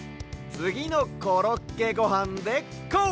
つぎの「コロッケごはん」でこう！